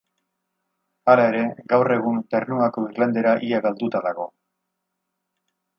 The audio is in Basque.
Hala ere, gaur egun Ternuako irlandera ia galduta dago.